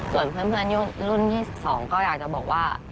ส่วนเพื่อนรุ่น๒๒ก็อยากจะบอกว่า